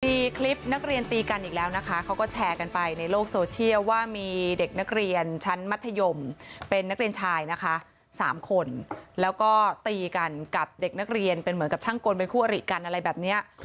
มีคลิปนักเรียนตีกันอีกแล้วนะคะเขาก็แชร์กันไปในโลกโซเชียลว่ามีเด็กนักเรียนชั้นมัธยมเป็นนักเรียนชายนะคะ๓คนแล้วก็ตีกันกับเด็กนักเรียนเป็นเหมือนกับช่างกลเป็นคู่อริกันอะไรแบบนี้